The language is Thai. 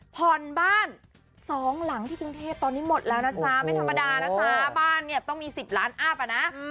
ผ่อนบ้านสองหลังที่กรุงเทพตอนนี้หมดแล้วนะจ๊ะไม่ธรรมดานะจ๊ะบ้านเนี่ยต้องมี๑๐ล้านอัพอนะ